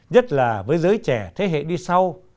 nhất là với giới trẻ thế hệ đi sau